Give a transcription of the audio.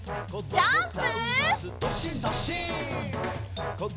ジャンプ！